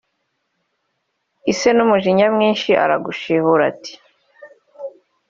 Ise n’umujinya mwinshi aragashihura ati